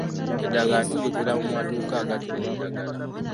Eddagala tuligula mu maduuka agatunda eddagala.